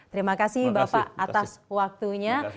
terima kasih bapak atas waktunya